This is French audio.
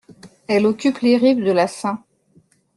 Elle occupe les rives de la St.